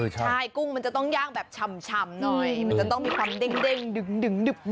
ใช่กุ้งมันจะต้องย่างแบบฉ่ำหน่อยมันจะต้องมีความเด้งดึง